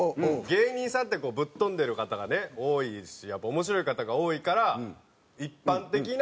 芸人さんってぶっ飛んでる方がね多いし面白い方が多いから一般的な感覚というか。